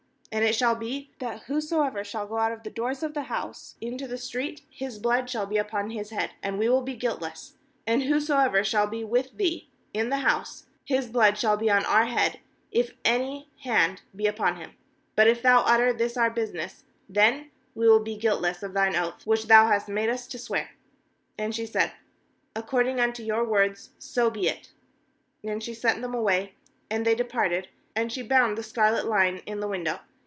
"And it shall be, that whosoever 262 JOSHUA 3.15 shall go out of the doors of thy house into the street, his blood shall be upon his head, and we will be guiltless; and whosoever shall be with thee in the house, his blood shall be on our head, if any hand be upon Mm. 20But if thou utter this our business, then we will be guiltless of thine oath which thou hast made us to swear.7 21And she said: 'According unto your words, so be it.' And she sent them away, and they departed; and she bound the scarlet line in the window.